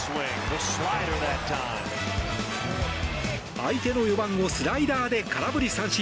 相手の４番をスライダーで空振り三振。